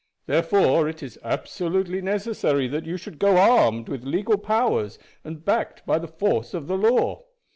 Therefore it is absolutely necessary that you should go armed with legal powers and backed by the force of the law.